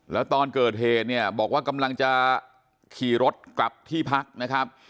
แล้วตอนเกิดเหตุเนี่ยบอกว่ากำลังจะขี่รถกลับที่พักนะครับ